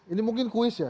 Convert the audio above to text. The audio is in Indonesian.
ini mungkin quiz ya